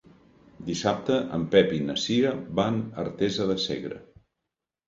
Dissabte en Pep i na Cira van a Artesa de Segre.